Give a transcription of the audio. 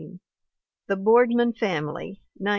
The Boardman Family, 1918.